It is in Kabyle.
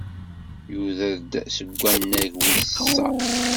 Yuder-d seg wannag wis sa.